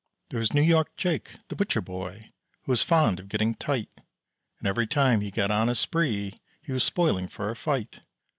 There was New York Jake, the butcher boy, Who was fond of getting tight. And every time he got on a spree He was spoiling for a fight.